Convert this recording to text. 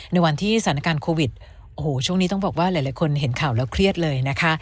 ในวันที่สถานการณ์โควิดโอ้โหช่วงนี้ต้องบอกว่าหลายคนเห็นข่าวแล้วเครียดเลยนะคะ